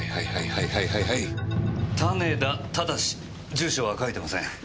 住所は書いてません。